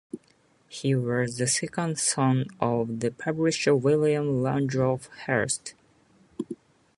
He was the second son of the publisher William Randolph Hearst.